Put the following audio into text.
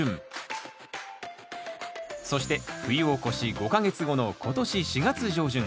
そして冬を越し５か月後の今年４月上旬。